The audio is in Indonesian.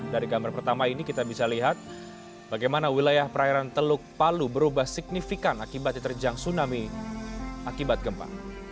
dari gambar pertama ini kita bisa lihat bagaimana wilayah perairan teluk palu berubah signifikan akibat diterjang tsunami akibat gempa